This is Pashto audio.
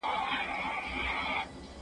زه به سبا مکتب ته ځم!!